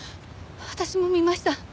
私も見ました。